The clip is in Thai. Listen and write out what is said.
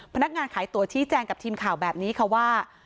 พนักงานขายตัวชี้แจงกับทีมข่าวแบบนี้ค่ะว่า